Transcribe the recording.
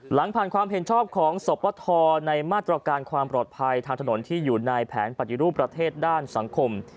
หลังผ่านความเห็นชอบของสปทในมาตรการความปลอดภัยทางถนนที่อยู่ในแผนปฏิรูปประเทศด้านสังคม